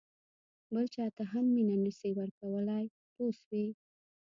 بل چاته هم مینه نه شې ورکولای پوه شوې!.